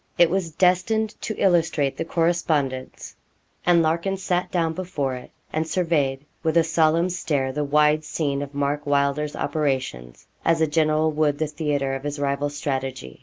It was destined to illustrate the correspondence, and Larkin sat down before it and surveyed, with a solemn stare, the wide scene of Mark Wylder's operations, as a general would the theatre of his rival's strategy.